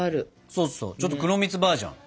そうそうちょっと黒蜜バージョン。